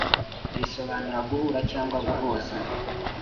risobanura guhura cyangwa guhuza